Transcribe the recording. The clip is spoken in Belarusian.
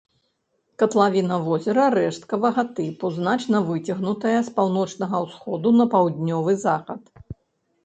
Катлавіна возера рэшткавага тыпу, значна выцягнутая з паўночнага ўсходу на паўднёвы захад.